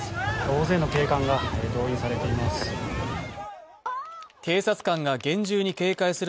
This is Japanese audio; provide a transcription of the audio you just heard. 大勢の警官が動員されています。